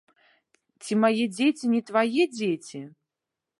Ці мае дзеці не твае дзеці?